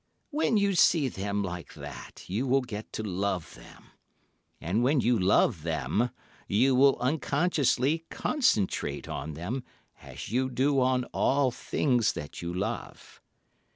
When you see them like that, you will get to love them, and, when you love them, you will unconsciously concentrate on them, as you do on all things that you love.